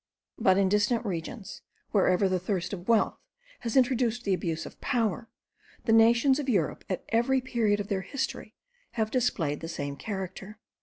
But in distant regions, wherever the thirst of wealth has introduced the abuse of power, the nations of Europe, at every period of their history, have displayed the same character.